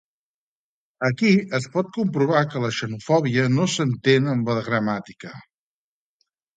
Aquí es pot comprovar que la xenofòbia no s'entén amb la gramàtica